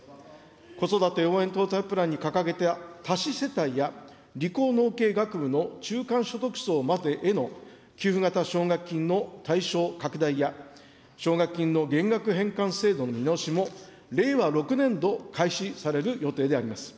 子育て応援トータルプランに掲げた多子世帯や理工農系学部の中間所得層までへの給付型奨学金の対象拡大や、奨学金の減額返還制度の見直しも、令和６年度開始される予定であります。